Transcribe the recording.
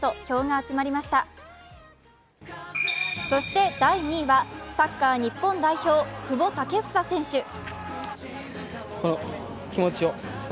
そして第２位はサッカー日本代表、久保建英選手。